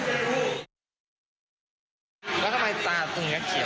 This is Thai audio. นิสัยมันมาวว่ามันเป็นอย่างนี้